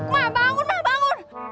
mak bangun mak bangun